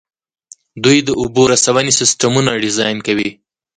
دوی د اوبو رسونې سیسټمونه ډیزاین کوي.